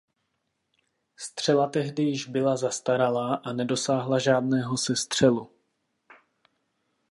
Střela tehdy již byla zastaralá a nedosáhla žádného sestřelu.